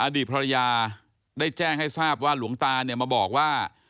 อดีตภรรยาได้แจ้งให้ทราบว่าหลวงตาเนี่ยมาบอกว่า